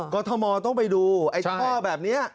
ก็ท่อมอต้องไปดูไอ้ข้อแบบนี้